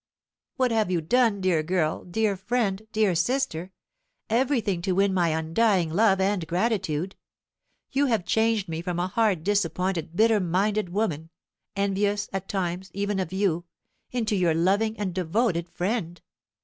"What have you done, dear girl, dear friend, dear sister? Everything to win my undying love and gratitude. You have changed me from a hard disappointed bitter minded woman envious, at times, even of you into your loving and devoted friend.